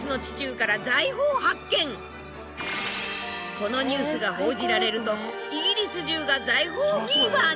このニュースが報じられるとイギリス中が財宝フィーバーに。